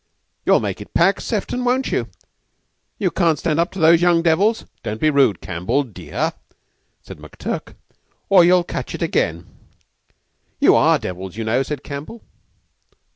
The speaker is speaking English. "You'll make it pax, Sefton, won't you? You can't stand up to those young devils " "Don't be rude, Campbell, de ah," said McTurk, "or you'll catch it again!" "You are devils, you know," said Campbell.